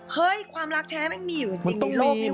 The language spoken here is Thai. เฮ้ยความรักแท้มันไม่มีอยู่จริงในโลกนี้ว่ะ